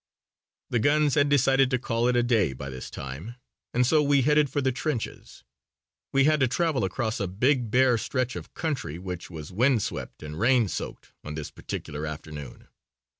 The guns had decided to call it a day by this time and so we headed for the trenches. We had to travel across a big bare stretch of country which was wind swept and rain soaked on this particular afternoon.